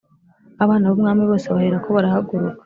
abana b umwami bose baherako barahaguruka